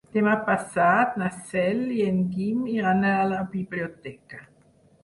Demà passat na Cel i en Guim iran a la biblioteca.